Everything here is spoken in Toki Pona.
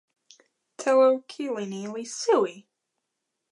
telo kili ni li suwi.